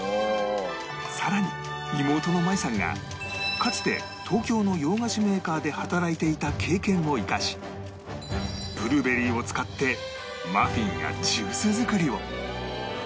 さらに妹の舞さんがかつて東京の洋菓子メーカーで働いていた経験を生かしブルーベリーを使ってマフィンやジュース作りを